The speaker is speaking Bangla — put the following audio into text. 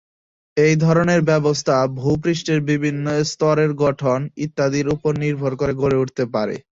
এই ধরনের ব্যবস্থা ভূপৃষ্ঠের বিভিন্ন স্তরের গঠন ইত্যাদির উপর নির্ভর করে গড়ে উঠতে পারে।